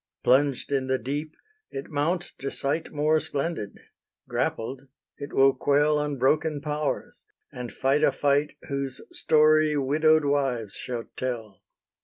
Plunged in the deep, it mounts to sight More splendid: grappled, it will quell Unbroken powers, and fight a fight Whose story widow'd wives shall tell.